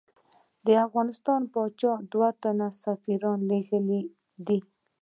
د افغانستان پاچا دوه تنه سفیران لېږلی دي.